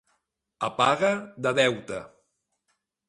A paga de deute.